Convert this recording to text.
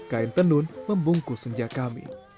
kain tenun membungkus senja kami